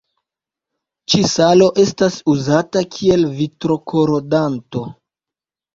Ĉi-salo estas uzata kiel vitro-korodanto.